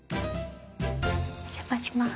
お邪魔します。